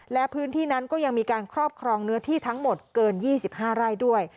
และพื้นที่นั้นก็ยังมีการครอบครองเนื้อที่ทั้งหมดเกิน๒๕ไร่ด้วย